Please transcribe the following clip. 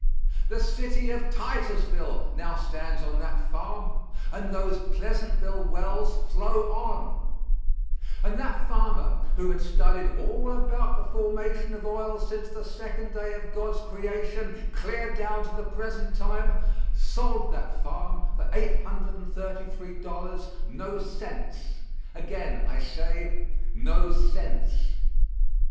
The city of Titusville now stands on that farm and those Pleasantville wells flow on, and that farmer who had studied all about the formation of oil since the second day of God's creation clear down to the present time, sold that farm for $833, no cents again I say, "no sense."